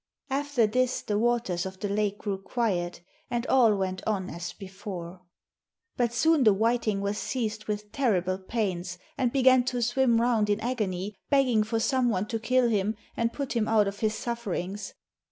After this the waters of the lake grew quiet, and all went on as before. 'But soon the whiting was seized with terrible pains and began to swim round in agony, begging for some one to kill him and put him out of his sufferings.